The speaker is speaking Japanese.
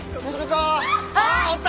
あおった！